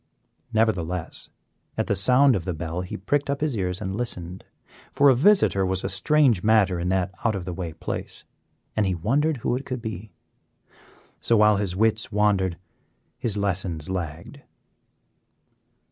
Nevertheless, at the sound of the bell he pricked up his ears and listened, for a visitor was a strange matter in that out of the way place, and he wondered who it could be. So, while his wits wandered his lessons lagged.